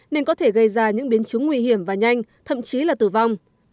nên có thể gây ra những biến chứng nguy hiểm và nhanh thậm chí là tử vong